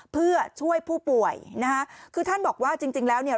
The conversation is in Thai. เพื่อช่วยผู้ป่วยนะคะคือท่านบอกว่าจริงจริงแล้วเนี่ย